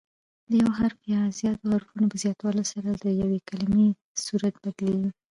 د یو حرف یا زیاتو حروفو په زیاتوالي سره د یوې کلیمې صورت بدلیږي.